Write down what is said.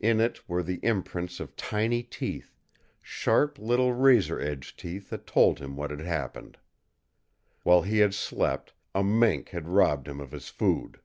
In it were the imprints of tiny teeth sharp little razor edged teeth that told him what had happened. While he had slept a mink had robbed him of his food!